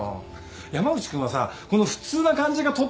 山内君はさこの普通な感じがとってもいいんだよね。